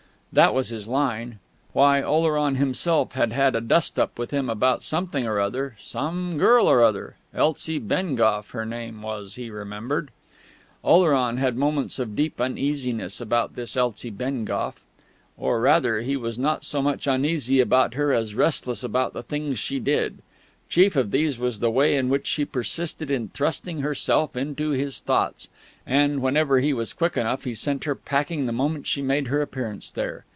That was his line. Why, Oleron himself had had a dust up with him about something or other ... some girl or other ... Elsie Bengough her name was, he remembered.... Oleron had moments of deep uneasiness about this Elsie Bengough. Or rather, he was not so much uneasy about her as restless about the things she did. Chief of these was the way in which she persisted in thrusting herself into his thoughts; and, whenever he was quick enough, he sent her packing the moment she made her appearance there.